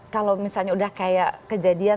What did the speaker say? kalau misalnya udah kayak kejadian